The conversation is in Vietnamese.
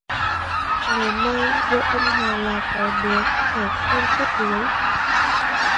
Ngày mai vợ ông Hà là có đứa trẻ con chết đuối